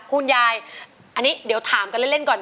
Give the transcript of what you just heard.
คุณยายอันนี้เดี๋ยวถามกันเล่นก่อน